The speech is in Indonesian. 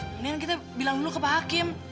kemudian kita bilang dulu ke pak hakim